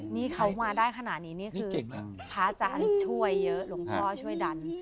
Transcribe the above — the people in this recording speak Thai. นี่เขามาได้ขนาดนี้นี่คือเก่งแล้วพระอาจารย์ช่วยเยอะหลวงพ่อช่วยดัน